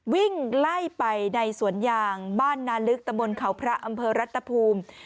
วิ่งไล่ไปในสวนยางบ้านนาลึกตะบนเขาพระอำเภอรัตภูมิ